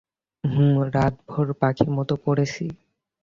হু, রাতভর পাখির মতো পড়েছি।